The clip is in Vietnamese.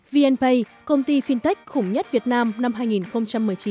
vnpay công ty fintech khủng nhất việt nam năm hai nghìn một mươi chín